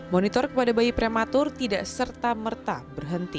monitor kepada bayi prematur tidak serta merta berhenti